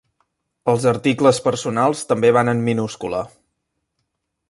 Els articles personals també van en minúscula.